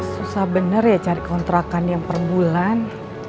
susah benar ya cari kontrakan yang per bulan